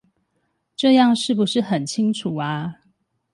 這樣是不是很清楚呀？